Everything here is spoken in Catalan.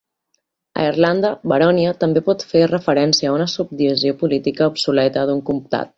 A Irlanda, "baronia" també pot fer referència a una subdivisió política obsoleta d'un comtat.